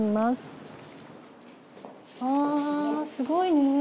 すごいね。